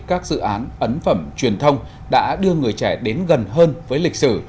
các dự án ấn phẩm truyền thông đã đưa người trẻ đến gần hơn với lịch sử